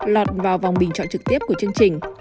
lọt vào vòng bình chọn trực tiếp của chương trình